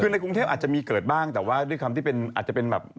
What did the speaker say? คือในกรุงเทพอาจจะมีเกิดบ้างแต่ว่าด้วยความที่เป็นอาจจะเป็นแบบ